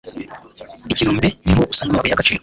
Ikirombe niho usangamo amabuye y'agaciro.